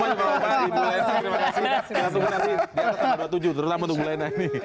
dia pertama dua puluh tujuh terutama untuk mulai nanti